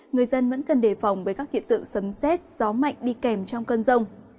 người dân vẫn cần đề phòng với các hiện tượng sấm xét gió mạnh đi kèm trong cơn rông